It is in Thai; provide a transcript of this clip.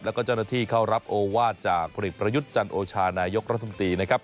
แล้วก็เจ้าหน้าที่เข้ารับโอวาสจากผลเอกประยุทธ์จันโอชานายกรัฐมนตรีนะครับ